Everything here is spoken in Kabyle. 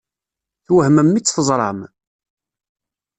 Twehmem mi tt-teẓṛam?